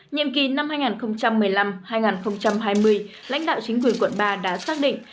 nhiệm kỳ năm hai nghìn một mươi năm hai nghìn hai mươi lãnh đạo chính quyền quận ba đã xác định